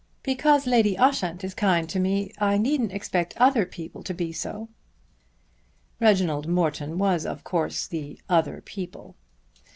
Because Lady Ushant is kind to me I needn't expect other people to be so." Reginald Morton was of course the "other people."